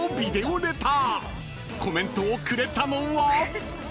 ［コメントをくれたのは］